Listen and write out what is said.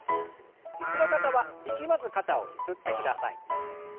椅子の方は力まず肩をゆすってください。